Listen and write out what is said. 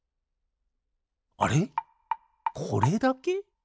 あれこれだけ？